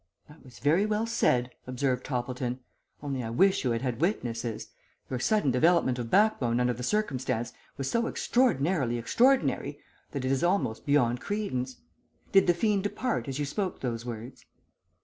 '" "That was very well said," observed Toppleton, "only I wish you had had witnesses. Your sudden development of back bone under the circumstance was so extraordinarily extraordinary that it is almost beyond credence. Did the fiend depart as you spoke those words?"